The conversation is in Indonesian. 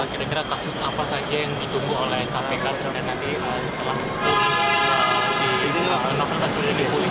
kira kira kasus apa saja yang ditunggu oleh kpk terhadap novel novel ini